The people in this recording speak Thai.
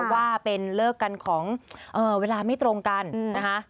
ว่าเป็นเลิกกันของเวลาไม่ตรงกันนะคะ